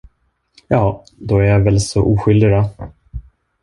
Jaha, då är jag väl så oskyldig då.